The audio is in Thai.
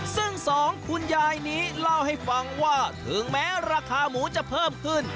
ซึ่งสองคุณยายนี้เล่าให้ฟังว่าถึงแม้ราคาหมูจะเพิ่มขึ้น